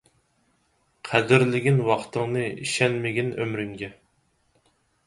قەدىرلىگىن ۋاقتىڭنى، ئىشەنمىگىن ئۆمرۈڭگە.